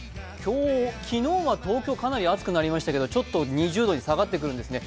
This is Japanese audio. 昨日は東京かなり暑くなりましたけど２０度に下がってくるんですね。